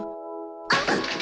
あっ！